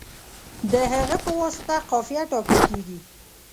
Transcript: د هغه په واسطه قافیه ټاکل کیږي.